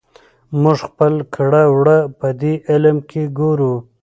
موږ خپل کړه وړه پدې علم کې ګورو.